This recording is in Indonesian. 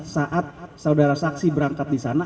saat saudara saksi berangkat di sana